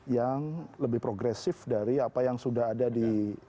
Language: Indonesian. yang lebih progresif dari apa yang sudah ada di